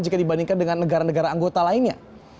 jika dibandingkan dengan negara negara anggota lainnya